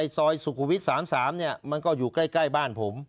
ซอยสุขุมวิท๓๓มันก็อยู่ใกล้บ้านผม